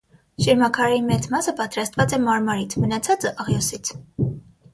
Շիրմաքարերի մեծ մասը պատրաստված է մարմարից, մնացածը՝ աղյուսից։